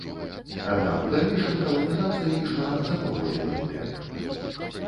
Аднак у далейшым каланізацыя ішла запаволенымі тэмпамі.